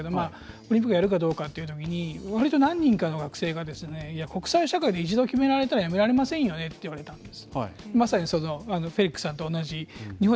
そのときに、ちょうど学生と勉強会をやってるんですけどオリンピックやるかどうかというときに割と何人かの学生が国際社会で一度決められたらやめられませんよねと言われたんです。